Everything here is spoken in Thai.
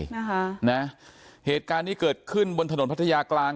นะคะนะเหตุการณ์นี้เกิดขึ้นบนถนนพัทยากลาง